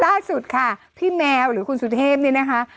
ล่าสุดค่ะพี่แมวหรือคุณสุเทพเนี่ยนะคะ